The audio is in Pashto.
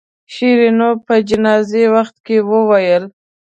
شیرینو په جنازې وخت کې وویل.